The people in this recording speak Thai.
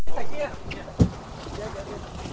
สวัสดีครับทุกคน